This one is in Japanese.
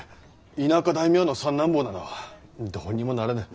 田舎大名の三男坊などどうにもならぬ。